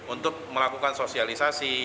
untuk melakukan sosialisasi